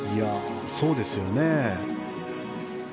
そうですよね。